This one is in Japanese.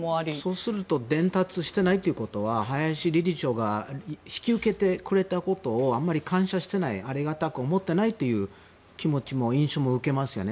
そうすると伝達していないということは林理事長が引き受けてくれたことをあまり感謝していないありがたく思っていないという気持ちも、印象も受けますよね。